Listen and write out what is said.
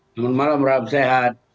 selamat malam ramp sehat